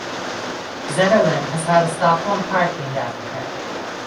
Zetterlund has had a Stockholm park named after her.